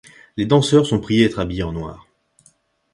Les danseurs sont priés d'être habillés en noir.